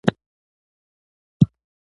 • د شپې خاموشي ته کښېنه.